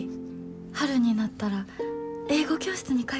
春になったら英語教室に通おうか。